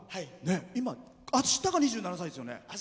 今、あしたが２７歳ですよね。